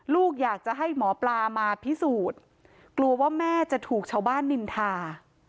ลูกอยากจะให้หมอปลามาพิสูจน์กลัวว่าแม่จะถูกชาวบ้านนินทา